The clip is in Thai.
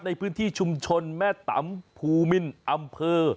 ในพื้นที่ชุมชนแม่ตำภูมินอำเภอ